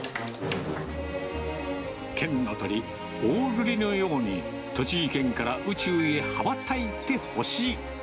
県の鳥、オオルリのように、栃木県から宇宙へ羽ばたいてほしい。